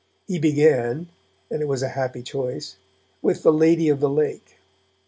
He began, and it was a happy choice, with 'The Lady of the Lake'.